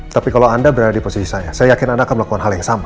tapi kalau anda berada di posisi saya saya yakin anda akan melakukan hal yang sama